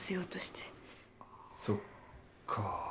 そっか。